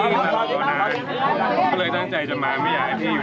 ที่ว่าปฏิรูปจะถามบันพี่ถามหน่อยก็ถามบันทำอะไรให้คุณ